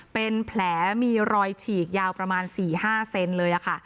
เป็นแผลมีรอยฉีกยาวประมาณ๔๕เซนเลยค่ะ